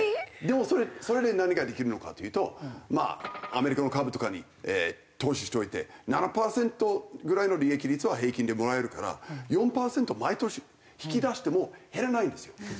それで何ができるのかというとまあアメリカの株とかに投資しておいて７パーセントぐらいの利益率は平均でもらえるから４パーセント毎年引き出しても減らないんですよ。